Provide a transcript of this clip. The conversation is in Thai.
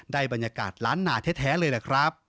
ได้บรรยากาศล้านหนาแท้เลยแหละครับ